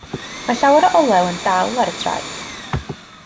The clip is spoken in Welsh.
Mae llawer o olew yn dal ar y traeth.